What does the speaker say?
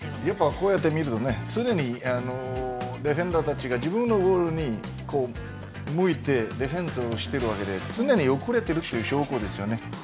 こうしてみると常にディフェンダーたちが自分のボールに向いてディフェンスをしているわけで常に遅れている証拠ですね。